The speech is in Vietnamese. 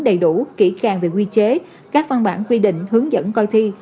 đầy đủ kỹ càng về quy chế các văn bản quy định hướng dẫn coi thi